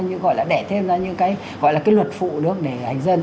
như gọi là đẻ thêm ra những cái gọi là cái luật phụ được để hành dân